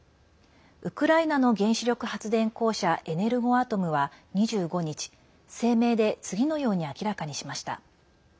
ウクライナの原子力発電公社エネルゴアトムは２５日、声明で次のように明らかにしました。